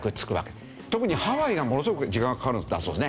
特にハワイがものすごく時間がかかるんだそうですね。